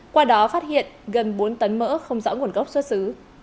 qua đó phát hiện gần bốn tấn mỡ không rõ nguồn gốc xuất xứ